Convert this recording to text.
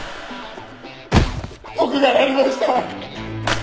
僕がやりました！